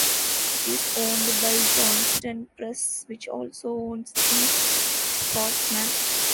It is owned by Johnston Press, which also owns "The Scotsman".